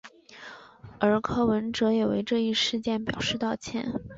而柯文哲也为这一事件表示道歉。